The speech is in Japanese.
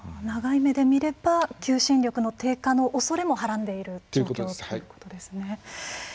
長い目で見れば求心力の低下の恐れもはらんでいるということですね。